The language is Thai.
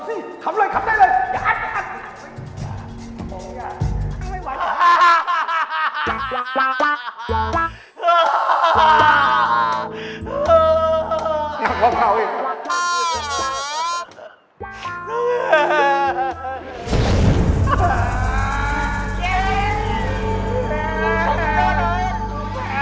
นี่ขนาดกูตายเป็นกว่าถึงทีแล้วกูอยากเล่นแว่นขำอีกเหรอเนี่ย